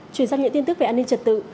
chuyển sang những tin tức về an ninh trật tự